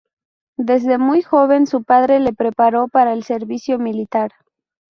Desde muy joven su padre le preparó para el servicio militar.